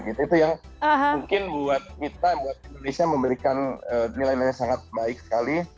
itu yang mungkin buat kita buat indonesia memberikan nilai nilai sangat baik sekali